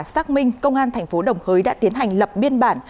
xác minh công an thành phố đồng hới đã tiến hành lập biên bản